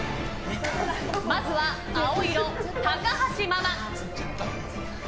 まずは青色、高橋ママ。